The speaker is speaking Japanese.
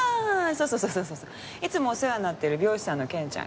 あそうそういつもお世話になってる美容師さんのケンちゃん